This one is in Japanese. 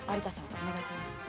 お願いします。